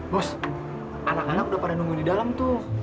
bos anak anak udah pada nunggu di dalam tuh